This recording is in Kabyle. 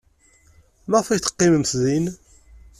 Maɣef ay teqqimemt din?